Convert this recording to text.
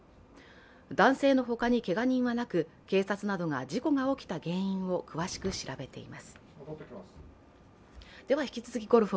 男性のほかにけが人はなく、警察などが事故が起きた原因を詳しく調べています。